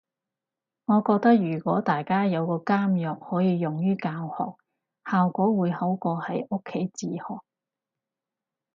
我覺得如果大家有個監獄可以用於教學，效果會好過喺屋企自學